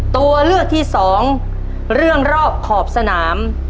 ตัวเลือกที่สองเรื่องรอบขอบสนาม